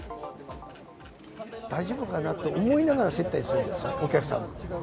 大丈夫かな？と思いながら接待するんです、お客さんを。